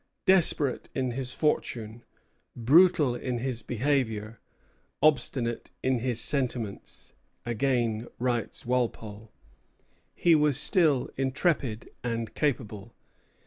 "Desperate in his fortune, brutal in his behavior, obstinate in his sentiments," again writes Walpole, "he was still intrepid and capable."